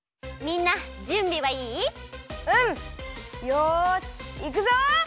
よしいくぞ！